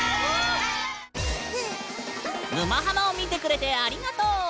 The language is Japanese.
「沼ハマ」を見てくれてありがとう！